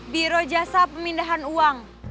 biro jasa pemindahan uang